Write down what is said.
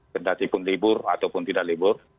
kedatipun libur ataupun tidak libur